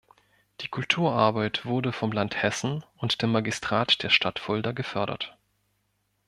Die Kulturarbeit wurde vom Land Hessen und dem Magistrat der Stadt Fulda gefördert.